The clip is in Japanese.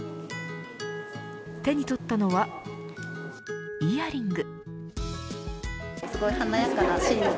手に取ったのはイヤリング。